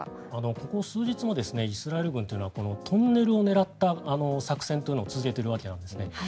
ここ数日もイスラエル軍というのはこのトンネルを狙った作戦を続けているわけですね。